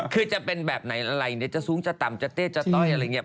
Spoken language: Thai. คือจะเป็นแบบไหนอะไรเนี่ยจะสูงจะต่ำจะเต้จะต้อยอะไรอย่างนี้